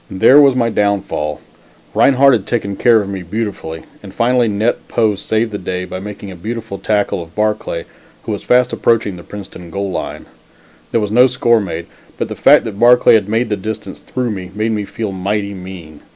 There was my down fall. Rinehart had taken care of me beautifully, and finally, Net Poe saved the day by making a beautiful tackle of Barclay, who was fast approaching the Princeton goal line. There was no score made, but the fact that Barclay had made the distance through me, made me feel mighty mean.